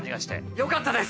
よかったです！